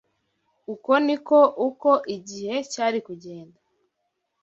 Uko ni ko uko igihe cyari kugenda